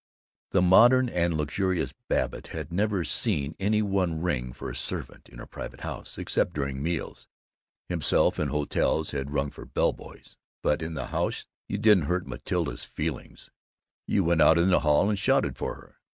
The modern and luxurious Babbitt had never seen any one ring for a servant in a private house, except during meals. Himself, in hotels, had rung for bell boys, but in the house you didn't hurt Matilda's feelings; you went out in the hall and shouted for her.